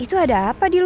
udah udah udah dong ah